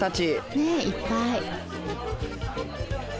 ねいっぱい。